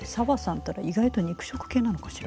ったら意外と肉食系なのかしら？